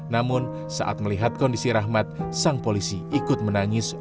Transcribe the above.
namun saat melihat kondisi rahmat sang polisi ikut menangis